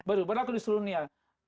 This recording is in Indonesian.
baru berlaku di seluruh dunia